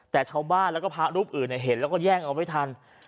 แต่ชาวบ้านแล้วก็พระรูปอื่นเห็นแล้วก็แย่งเอาไม่ทัน